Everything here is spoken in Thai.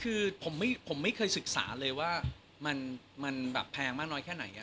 คือผมไม่เคยศึกษาเลยว่ามันแบบแพงมากน้อยแค่ไหน